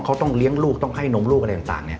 เขาต้องเลี้ยงลูกต้องให้นมลูกอะไรต่างเนี่ย